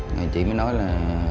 thì chị mới nói là